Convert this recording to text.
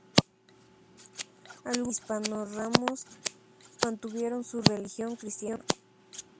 Algunos hispanorromanos mantuvieron su religión cristiana.